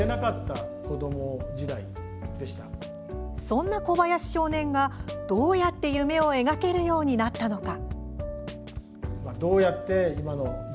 そんな小林少年がどうやって夢を描けるようになったのか。